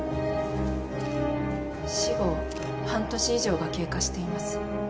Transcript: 死後半年以上が経過しています。